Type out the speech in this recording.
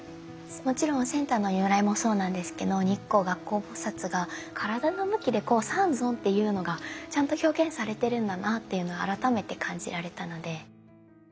もちろんセンターの如来もそうなんですけど日光月光菩が体の向きで三尊っていうのがちゃんと表現されてるんだなっていうの改めて感じられたので。